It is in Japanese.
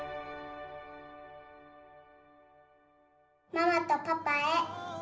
「ママとパパへ。